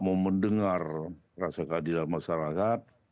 mau mendengar rasa keadilan masyarakat